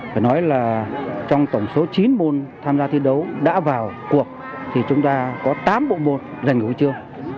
phải nói là trong tổng số chín môn tham gia thi đấu đã vào cuộc thì chúng ta có tám bộ môn dành huy chương